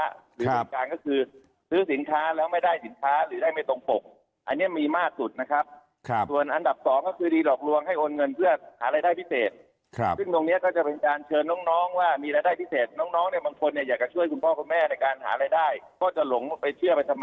หรือบริการก็คือซื้อสินค้าแล้วไม่ได้สินค้าหรือได้ไม่ตรงปกอันนี้มีมากสุดนะครับส่วนอันดับสองก็คือดีหลอกลวงให้โอนเงินเพื่อหารายได้พิเศษซึ่งตรงนี้ก็จะเป็นการเชิญน้องน้องว่ามีรายได้พิเศษน้องน้องเนี่ยบางคนเนี่ยอยากจะช่วยคุณพ่อคุณแม่ในการหารายได้ก็จะหลงไปเชื่อไปสม